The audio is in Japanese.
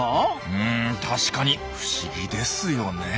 うん確かに不思議ですよねえ。